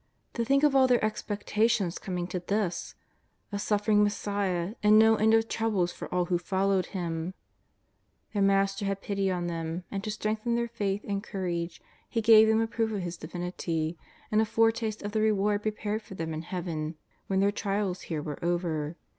To think of all their expectations coming to this — a suffering Messiah, and no end of troubles for all who followed Him ! Their blaster had pity on them, and to strengthen their faith and courage He gave them a proof of His Divinity and a foretaste of the reward prepared for them in Heaven when their trials here were over.